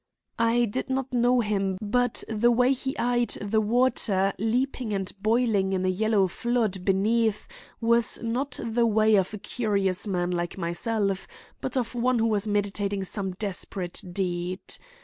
"I did not know him, but the way he eyed the water leaping and boiling in a yellow flood beneath was not the way of a curious man like myself, but of one who was meditating some desperate deed.